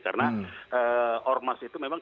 karena ormas itu memang